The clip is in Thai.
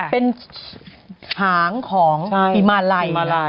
เป็นหางของหิมะไล่